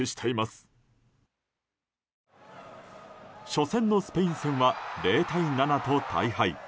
初戦のスペイン戦は０対７と大敗。